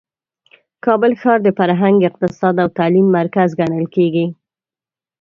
کابل ښار د فرهنګ، اقتصاد او تعلیم مرکز ګڼل کیږي.